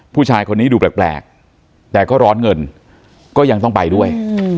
ผู้ชายคนนี้ดูแปลกแต่ก็ร้อนเงินก็ยังต้องไปด้วย